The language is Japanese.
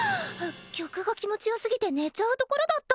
曲が気持ちよすぎて寝ちゃうところだった。